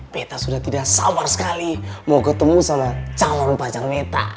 peta sudah tidak sabar sekali mau ketemu sama calon pacar meta